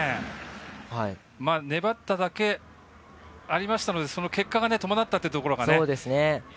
粘っただけありましたのでその結果が伴ったというところがよかったですね。